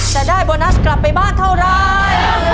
จะได้โบนัสกลับไปบ้านเท่าไร